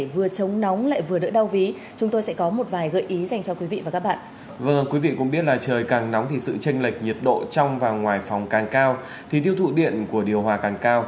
vâng quý vị cũng biết là trời càng nóng thì sự tranh lệch nhiệt độ trong và ngoài phòng càng cao thì tiêu thụ điện của điều hòa càng cao